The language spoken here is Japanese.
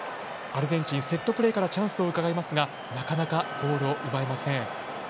アルゼンチン、セットプレーからチャンスをうかがいますがなかなかゴールを奪えません。